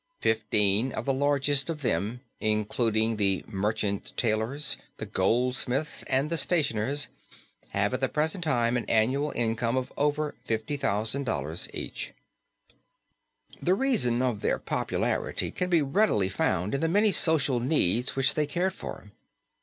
Fifteen of the largest of them including the merchant tailors, the goldsmiths and the stationers have at the present time an annual income of over $50,000 each. The reasons for their popularity can be readily found in the many social needs which they cared for.